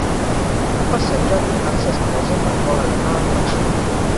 Per Sant Jordi en Cesc i na Gemma volen anar a l'Armentera.